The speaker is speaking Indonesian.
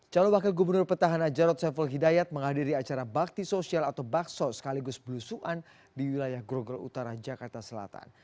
calon wakil gubernur petahana jarod saiful hidayat menghadiri acara bakti sosial atau bakso sekaligus belusuan di wilayah grogol utara jakarta selatan